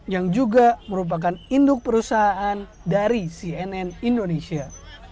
yang juga merupakan induk perusahaan dari cnn indonesia